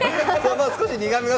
少し苦味が。